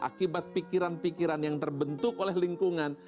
akibat pikiran pikiran yang terbentuk oleh lingkungan